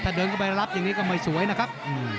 ถ้าเดินเข้าไปรับอย่างนี้ก็ไม่สวยนะครับ